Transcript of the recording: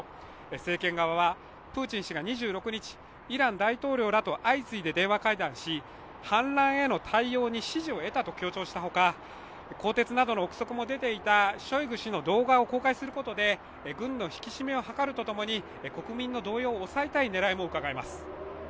政権側はプーチン氏が２６日イラン大統領らと相次いで電話会談し反乱への対応に支持を得たと強調したほか、更迭などの臆測も出ていたショイグ氏の動画を公開することで軍の引き締めを図るとともに国民の動揺を抑えたい狙いもうかがえます。